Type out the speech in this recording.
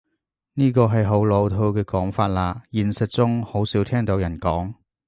呢個係好老土嘅講法喇，現實中好少聽到人講